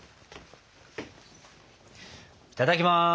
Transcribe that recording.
いただきます！